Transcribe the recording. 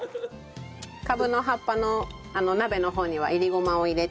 カブの葉っぱの鍋の方には煎りごまを入れて。